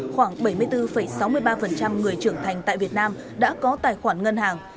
khoảng bảy mươi bốn sáu mươi ba người trưởng thành tại việt nam đã có tài khoản ngân hàng